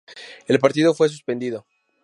El partido fue suspendido.